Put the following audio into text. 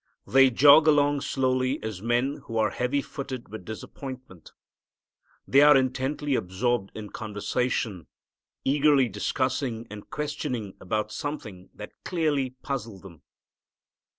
They jog along slowly as men who are heavy footed with disappointment. They are intently absorbed in conversation, eagerly discussing and questioning about something that clearly puzzled them.